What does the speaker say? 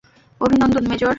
অভিনন্দন, মেজর।